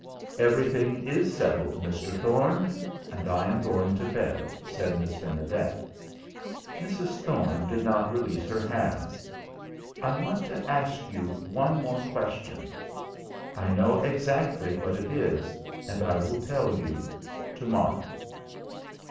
"Everything is settled, Mr. Thorne, and I am going to bed," said Miss Benedet. Mrs. Thorne did not release her hands. "I want to ask you one more question." "I know exactly what it is, and I will tell you to morrow."